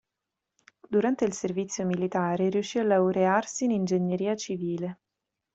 Durante il servizio militare riuscì a laurearsi in ingegneria civile.